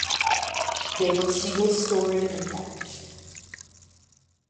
They were single storey and thatched.